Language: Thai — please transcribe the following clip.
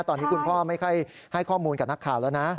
ตอนนี้คุณพ่อไม่ค่อยให้ข้อมูลกับนักข่าวแล้วนะ